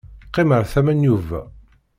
Qqim ar tama n Yuba.